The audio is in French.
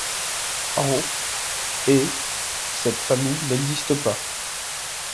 En et cette famille n'existe pas.